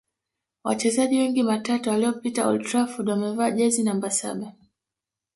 Wachezaji wengi matata waliopita old Trafford wamevaa jezi namba saba